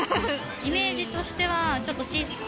イメージとしてはちょっと質素。